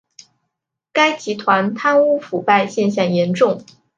该集团贪污腐败现象严重。